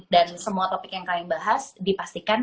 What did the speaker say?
dan semua topik yang kalian bahas dipastikan